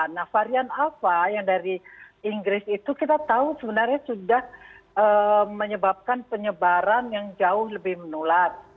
nah varian alpha yang dari inggris itu kita tahu sebenarnya sudah menyebabkan penyebaran yang jauh lebih menular